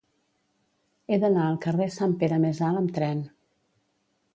He d'anar al carrer de Sant Pere Més Alt amb tren.